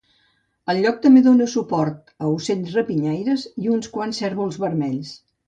El lloc també dona suport a ocells rapinyaires i uns quants cérvols vermells.